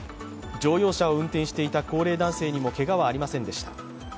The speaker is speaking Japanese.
乗用車を運転していた高齢男性にもけがはありませんでした。